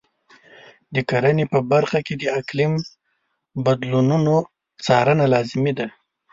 د کرنې په برخه کې د اقلیم بدلونونو څارنه لازمي ده.